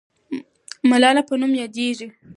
ملاله په نوم یادېږي.